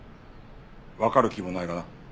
わかる気もないがな。